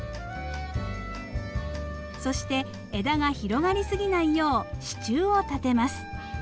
そして枝が広がり過ぎないよう支柱を立てます。